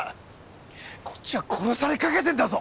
こっちは殺されかけてんだぞ！